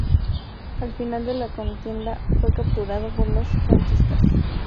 Al final de la contienda fue capturado por los franquistas.